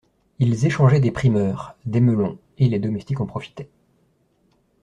Ils échangeaient des primeurs… des melons… et les domestiques en profitaient.